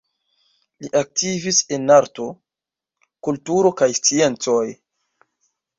Li aktivis en arto, kulturo kaj sciencoj.